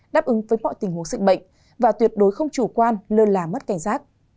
đáp ứng với mọi tình huống dịch bệnh và tuyệt đối không chủ quan lơ là mất cảnh giác